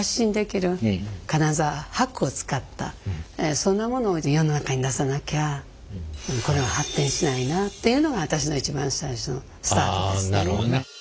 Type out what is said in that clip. だからもっと世の中に出さなきゃこれは発展しないなっていうのが私の一番最初のスタートですね。